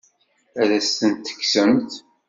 Ad as-tent-tekksemt?